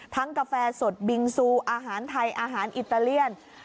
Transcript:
กาแฟสดบิงซูอาหารไทยอาหารอิตาเลียน